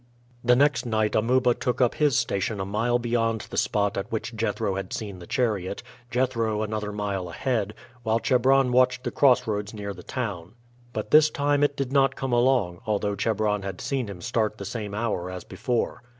The next night Amuba took up his station a mile beyond the spot at which Jethro had seen the chariot, Jethro another mile ahead, while Chebron watched the crossroads near the town; but this time it did not come along, although Chebron had seen him start the same hour as before.